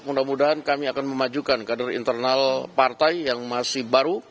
mudah mudahan kami akan memajukan kader internal partai yang masih baru